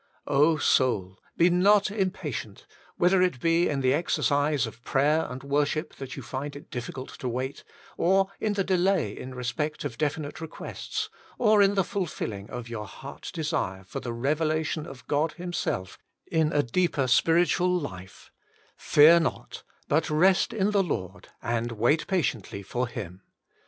soul ! be not impatient, whether it be in the exercise of prayer and worship that you find it difficult to wait, or in the delay in respect of definite requests, or in the fulfilling of your heart's desire for the revelation of God Himself in a deeper spiritual life — fear not, but rest in the Lord, and wait patiently for Him.